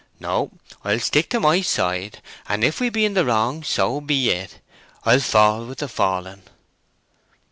No, I'll stick to my side; and if we be in the wrong, so be it: I'll fall with the fallen!"